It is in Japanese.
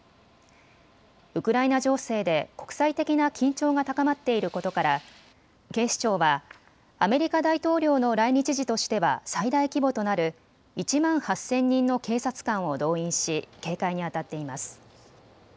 ウクライナ情勢で国際的な緊張が高まっていることから警視庁はアメリカ大統領の来日時としては最大規模となる１万８０００人の警察官を動員し警戒にあたっています。